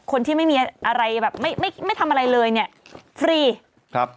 คนที่ไม่มีอะไรแบบไม่ไม่ทำอะไรเลยเนี้ยฟรีครับ